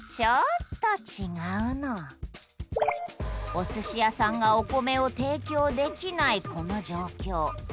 おすし屋さんがお米を提供できないこの状況。